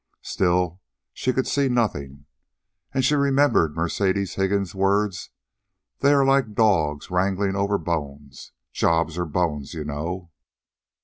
Still, she could see nothing, and she remembered Mercedes Higgins' words "THEY ARE LIKE DOGS WRANGLING OVER BONES. JOBS ARE BONES, YOU KNOW."